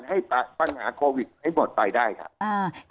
ให้ปัญหาโควิดให้หมดปลายได้ค่ะ